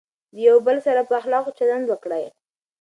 د یو بل سره په اخلاقو چلند وکړئ.